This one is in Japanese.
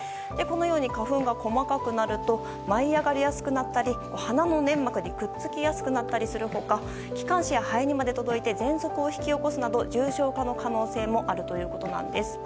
花粉が細かくなると舞い上がりやすくなったり鼻の粘膜にくっつきやすくなったりする他気管支や肺にまで届いてぜんそくを引き起こすなど重症化の可能性もあるといいます。